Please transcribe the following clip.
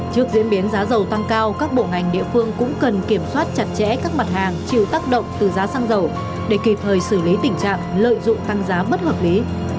trước diễn biến giá dầu tăng cao các bộ ngành địa phương cũng cần kiểm soát chặt chẽ các mặt hàng chịu tác động từ giá xăng dầu để kịp thời xử lý tình trạng lợi dụng tăng giá bất hợp lý